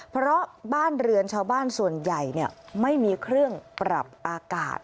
เพราะบ้านเรือนชาวบ้านส่วนใหญ่ไม่มีเครื่องปรับอากาศ